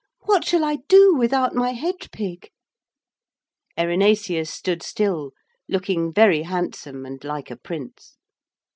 What shall I do without my hedge pig?' Erinaceus stood still, looking very handsome and like a prince.